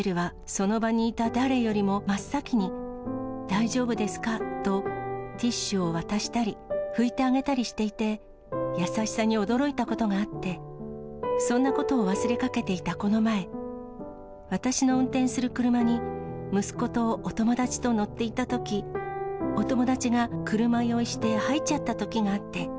その場にいた誰よりも真っ先に、大丈夫ですか？と、ティッシュを渡したり、拭いてあげたりしていて、優しさに驚いたことがあって、そんなことを忘れかけていたこの前、私の運転する車に、息子とお友達と乗っていたとき、お友達が車酔いして吐いちゃったときがあって。